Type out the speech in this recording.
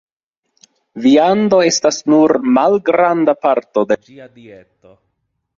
Viando estas nur malgranda parto de ĝia dieto.